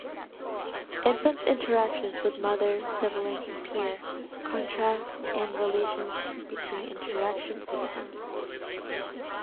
Infants' interactions with mother, sibling, and peer: Contrasts and relations between interaction systems.